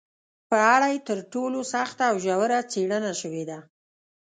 په اړه یې تر ټولو سخته او ژوره څېړنه شوې ده